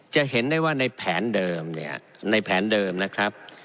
จะเห็นได้ว่าในแผนเดิมเนี่ยในแผนเดิมนะครับ